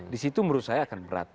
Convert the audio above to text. disitu menurut saya akan berat